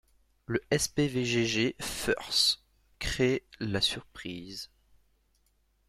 Le SpVgg Fürth créé la surprise.